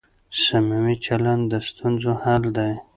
صميمي چلند د ستونزو حل دی.